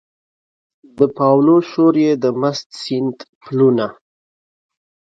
د پاولو شور یې د مست سیند پلونه